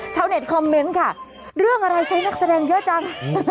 ชาวเน็ตคอมเมนต์ค่ะเรื่องอะไรใช้นักแสดงเยอะจัง